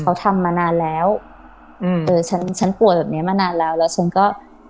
เขาทำมานานแล้วอืมเออฉันฉันป่วยแบบเนี้ยมานานแล้วแล้วฉันก็